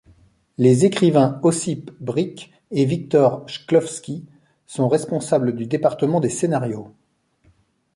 Les écrivains Ossip Brik et Victor Chklovski sont responsables du département des scénarios.